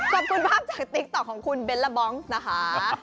ขอบคุณภาพจากติ๊กต๊อกของคุณเบ้นละบองนะคะ